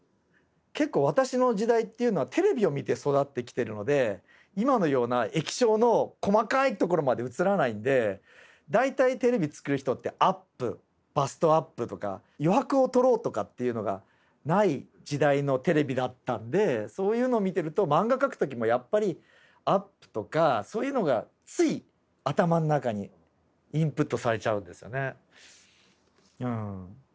結構私の時代っていうのはテレビを見て育ってきてるので今のような液晶の細かいところまで映らないんで大体テレビつくる人ってアップバストアップとか余白をとろうとかっていうのがない時代のテレビだったんでそういうのを見てるとマンガ描く時もやっぱりアップとかそういうのがつい頭の中にインプットされちゃうんですよね。